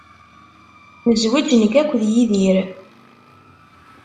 Nezweǧ nekk akked Yidir.